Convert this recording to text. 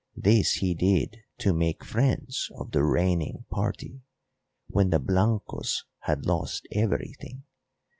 This he did to make friends of the reigning party, when the Blancos had lost everything.